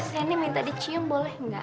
saya ini minta dicium boleh nggak